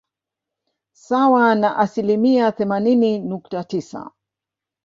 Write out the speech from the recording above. Sawa na asilimia themanini nukta tisa